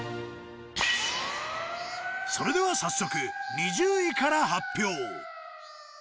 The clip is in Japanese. それでは早速２０位から発表。